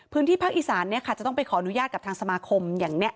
พื้นที่ภาคอีสานจะต้องไปขออนุญาตกับทางสมาคมอย่างนี้